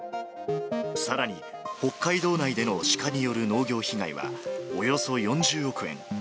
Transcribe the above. さらに、北海道内でのシカによる農業被害は、およそ４０億円。